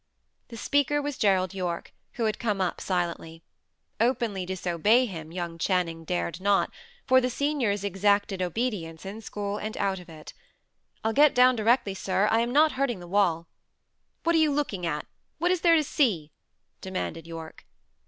The speaker was Gerald Yorke, who had come up silently. Openly disobey him, young Channing dared not, for the seniors exacted obedience in school and out of it. "I'll get down directly, sir. I am not hurting the wall." "What are you looking at? What is there to see?" demanded Yorke.